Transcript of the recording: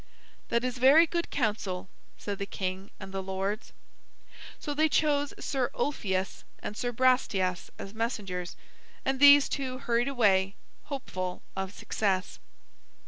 "That is very good counsel," said the king and the lords. So they chose Sir Ulfius and Sir Brastias as messengers, and these two hurried away, hopeful of success.